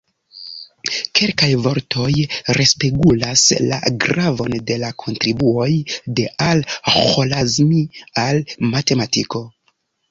Kelkaj vortoj respegulas la gravon de la kontribuoj de Al-Ĥorazmi al matematiko.